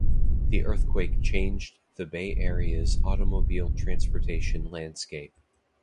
The earthquake changed the Bay Area's automobile transportation landscape.